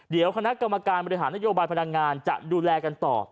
เดี๋ยวคณะกรรมการบริหารนโยบายพลังงานจะดูแลกันต่อ